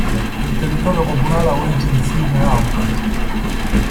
Nel territorio comunale ha origine il fiume Aude.